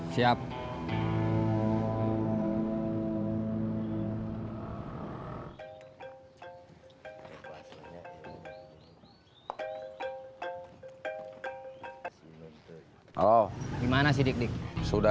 dikdik kamu mau mencari si gobang